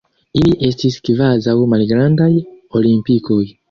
Ili estis kvazaŭ malgrandaj olimpikoj.